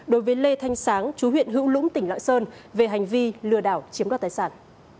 đối với lê thanh sáng chú huyện hữu lũng tỉnh lạng sơn về hành vi lừa đảo chiếm đoạt tài sản